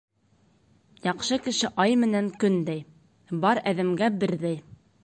Яҡшы кеше ай менән көндәй: бар әҙәмгә берҙәй.